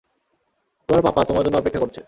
তোমার পাপা তোমার জন্য অপেক্ষা করছে।